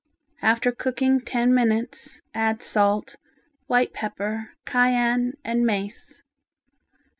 After cooking ten minutes add salt, white pepper, cayenne and mace.